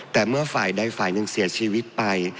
แต่เมื่อฝ่ายใดฝ่ายหนึ่งเสียชีวิตไป